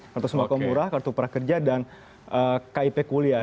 kartu sembako murah kartu prakerja dan kip kuliah